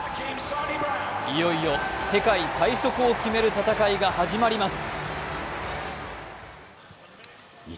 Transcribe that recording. いよいよ世界最速を決める戦いが始まります。